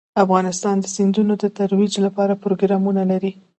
افغانستان د سیندونه د ترویج لپاره پروګرامونه لري.